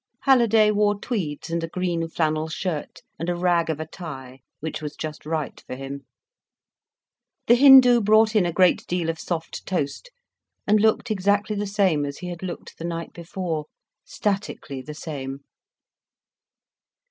Halliday wore tweeds and a green flannel shirt, and a rag of a tie, which was just right for him. The Hindu brought in a great deal of soft toast, and looked exactly the same as he had looked the night before, statically the same.